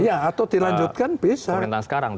ya atau dilanjutkan bisa